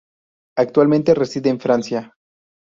Actualmente reside en Francia.